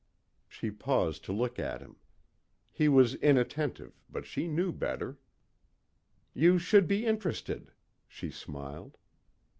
She paused to look at him. He was inattentive but she knew better. "You should be interested," she smiled.